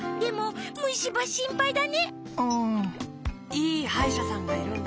いいはいしゃさんがいるんだ。